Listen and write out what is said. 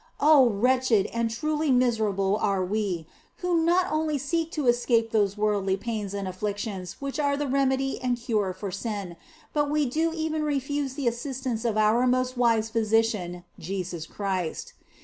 Oh wretched 86 THE BLESSED ANGELA and truly miserable are we, who not only seek to escape those worldly pains and afflictions which are the remedy and cure for sin, but we do even refuse the assistance of our most wise physician Jesus Christ.